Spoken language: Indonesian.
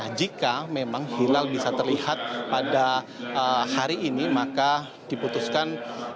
nah jika memang hilal bisa terlihat pada hari ini maka diputuskan